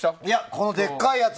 このでっかいやつ。